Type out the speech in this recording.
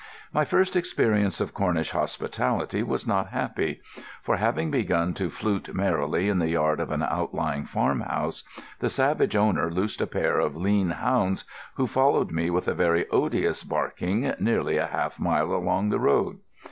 My first experience of Cornish hospitality was not happy; for, having begun to flute merrily in the yard of an outlying farmhouse, the savage owner loosed a pair of lean hounds, who followed me with a very odious barking nearly half a mile along the road.